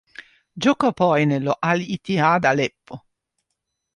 Giocò poi nello Al-Ittihad Aleppo.